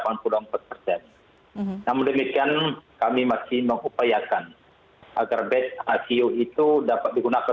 namun demikian kami masih mengupayakan agar bed ico itu dapat digunakan